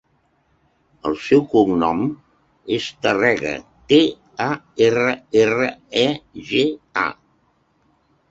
El seu cognom és Tarrega: te, a, erra, erra, e, ge, a.